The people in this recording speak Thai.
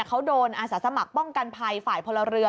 เขาโดนอาสาสมัครป้องกันภัยฝ่ายพลเรือน